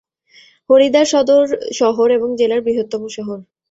হরিদ্বার সদর শহর এবং জেলার বৃহত্তম শহর।